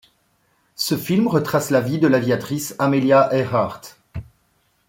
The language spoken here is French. Ce film retrace la vie de l'aviatrice Amelia Earhart.